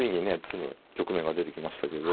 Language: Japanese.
詰む局面が出てきましたけど。